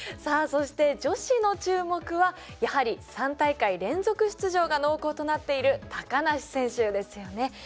さあそして女子の注目はやはり３大会連続出場が濃厚となっている梨選手ですよね。